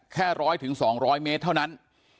แค่ร้อยถึง๒๐๐เมตรเท่านั้น